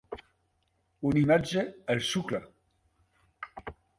Una imatge el xucla.